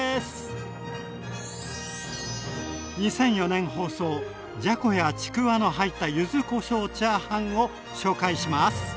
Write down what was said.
２００４年放送じゃこやちくわの入った柚子こしょうチャーハンを紹介します。